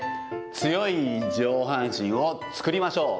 強い上半身を作りましょう。